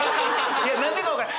いや何でか分からん。